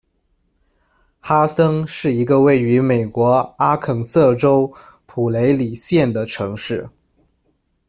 哈森是一个位于美国阿肯色州普雷里县的城市。